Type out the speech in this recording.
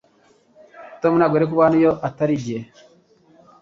Tom ntabwo yari kuba hano iyo atari njye